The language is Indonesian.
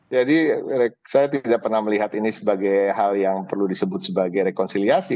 jadi saya tidak pernah melihat ini sebagai hal yang perlu disebut sebagai rekonsiliasi